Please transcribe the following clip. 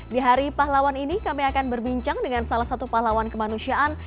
di hari pahlawan ini kami akan berbincang dengan salah satu pahlawan kemanusiaan